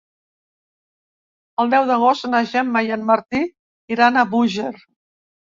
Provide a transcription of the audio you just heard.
El deu d'agost na Gemma i en Martí iran a Búger.